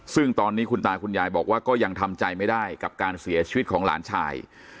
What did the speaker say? ซึ่งตอนนี้คุณตาคุณยายบอกว่าก็ยังทำใจไม่ได้กับการเสียชีวิตของหลานชาย